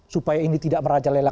supaya ini tidak merajalela